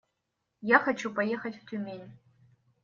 Я хочу поехать в Тюмень.